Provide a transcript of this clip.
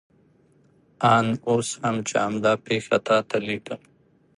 آن اوس هم چې همدا پېښه تا ته لیکم.